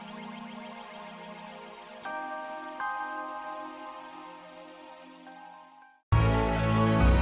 sampai jumpa lagi